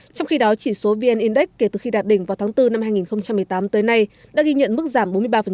trong khi đó chỉ số vn index kể từ khi đạt đỉnh vào tháng bốn năm hai nghìn một mươi tám tới nay đã ghi nhận mức giảm bốn mươi ba